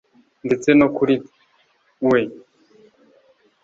ndetse ko kuri we